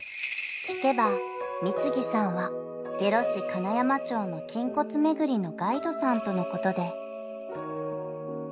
［聞けば三木さんは下呂市金山町の筋骨巡りのガイドさんとのことで］